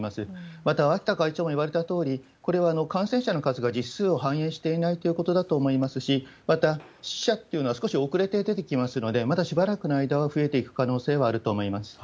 また、脇田会長も言われたとおり、これは感染者の数が実数を反映していないということだと思いますし、また死者っていうのは少し遅れて出てきますので、まだしばらくの間は増えていく可能性はあると思います。